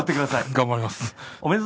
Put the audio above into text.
頑張ります。